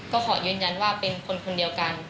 ก็ขอยืนยันว่าเป็นคนคนเดียวกัน